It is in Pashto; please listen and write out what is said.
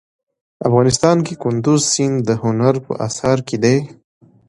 افغانستان کې کندز سیند د هنر په اثار کې دی.